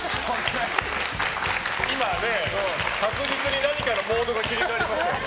今はね、確実に何かのモードが切り替わりましたね。